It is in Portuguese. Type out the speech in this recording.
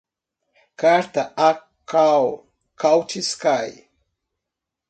Carta a Karl Kautsky